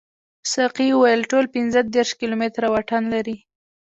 ساقي وویل ټول پنځه دېرش کیلومتره واټن لري.